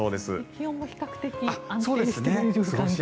気温も比較的安定している感じですね。